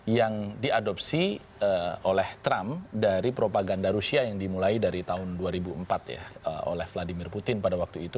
yang diadopsi oleh trump dari propaganda rusia yang dimulai dari tahun dua ribu empat ya oleh vladimir putin pada waktu itu